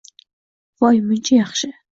voy muncha yaxshi..